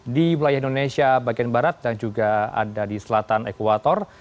di wilayah indonesia bagian barat dan juga ada di selatan ekuator